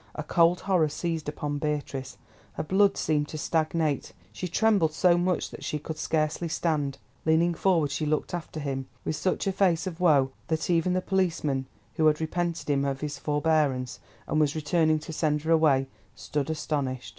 A cold horror seized upon Beatrice, her blood seemed to stagnate. She trembled so much that she could scarcely stand. Leaning forward, she looked after him, with such a face of woe that even the policeman, who had repented him of his forbearance, and was returning to send her away, stood astonished.